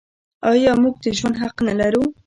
آیا موږ د ژوند حق نلرو؟